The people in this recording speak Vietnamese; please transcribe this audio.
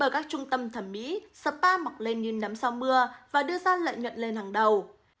các trung tâm thẩm mỹ spa mặc lên như nắm sao mưa và đưa ra lợi nhuận lên hàng đầu